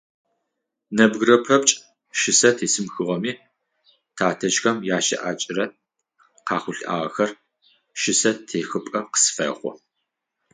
Нэбгырэ пэпчъ щысэ тесымыхыгъэми тятэжъхэм ящыӏакӏэрэ къахъулӏагъэхэр щысэ техыпӏэ къысфэхъу.